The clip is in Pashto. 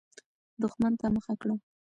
دښمن ته مخه کړه.